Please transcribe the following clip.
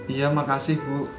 iya makasih bu